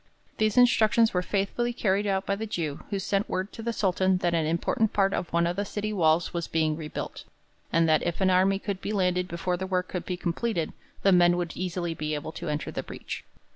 These instructions were faithfully carried out by the Jew, who sent word to the Sultan that an important part of one of the city walls was being rebuilt, and that if an army could be landed before the work could be completed, the men would easily be able to enter the breach.